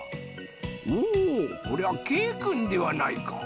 おおこりゃけいくんではないか。